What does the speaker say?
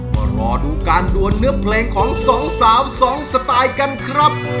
มารอดูการดวนเนื้อเพลงของสองสาวสองสไตล์กันครับ